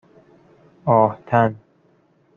آهتَن